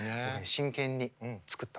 真剣に作ったわ。